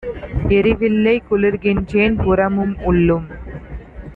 எரிவில்லை குளிர்கின்றேன் புறமும் உள்ளும்!